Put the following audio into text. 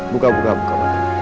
buka buka buka